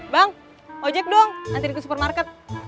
bang ojek dong nanti di supermarket